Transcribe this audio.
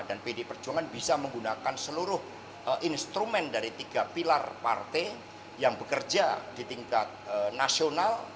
dan pdip bisa menggunakan seluruh instrumen dari tiga pilar partai yang bekerja di tingkat nasional